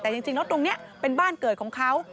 แต่จริงแล้วตรงนี้เป็นบ้านเกิดของเขา